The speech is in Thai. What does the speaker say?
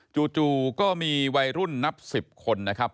จู่ก็มีวัยรุ่นนับ๑๐คนนะครับ